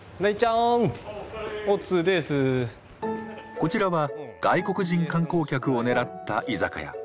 こちらは外国人観光客をねらった居酒屋。